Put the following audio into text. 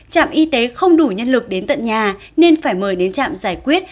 trạm y tế không đủ nhân lực đến tận nhà nên phải mời đến trạm giải quyết